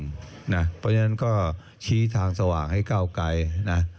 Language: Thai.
เพราะฉะนั้นก็ชี้ทางสว่างให้ก้าวไกลนะ